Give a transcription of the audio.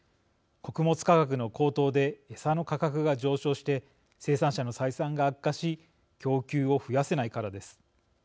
穀物価格の高騰で餌の価格が上昇して生産者の採算が悪化し供給を増やせないからです。